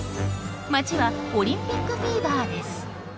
街はオリンピックフィーバーです。